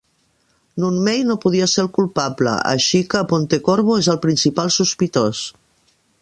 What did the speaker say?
Nunn May no podia ser el culpable, així que Pontecorvo és el principal sospitós.